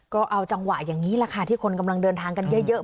ก็เอาจังหวะอย่างนี้แหละค่ะที่คนกำลังเดินทางกันเยอะ